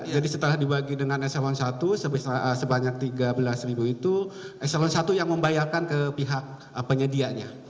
jadi setelah dibagi dengan s satu sebanyak tiga belas ribu itu s satu yang membayarkan ke pihak penyedianya